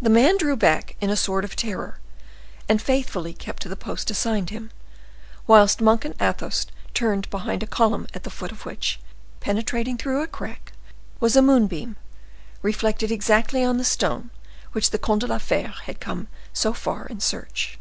The man drew back in a sort of terror, and faithfully kept to the post assigned him, whilst Monk and Athos turned behind a column at the foot of which, penetrating through a crack, was a moonbeam, reflected exactly on the stone which the Comte de la Fere had come so far in search.